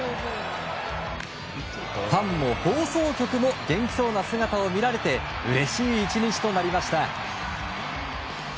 ファンも放送局も元気そうな姿を見られてうれしい１日となりました。